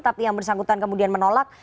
tapi yang bersangkutan kemudian menolak